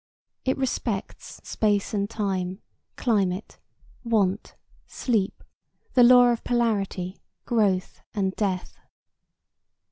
It respects space and time, climate, want, sleep, the law of polarity, growth and death.